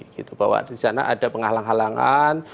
bahwa di sana ada penghalang halangan